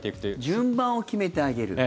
順番を決めてあげる。